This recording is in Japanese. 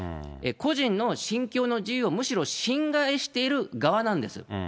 個人の信教の自由をむしろ侵害している側なんです。